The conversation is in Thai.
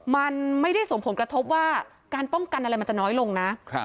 มันไม่ได้ส่งผลกระทบว่าการป้องกันอะไรมันจะน้อยลงนะ